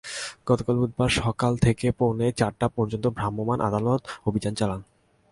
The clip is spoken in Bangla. গতকাল বুধবার সকাল থেকে বিকেল পৌনে চারটা পর্যন্ত ভ্রাম্যমাণ আদালত অভিযান চালান।